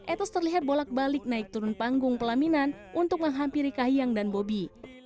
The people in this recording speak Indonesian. etes terlihat bolak balik naik turun panggung pelaminan untuk menghampiri kahiyang dan bobi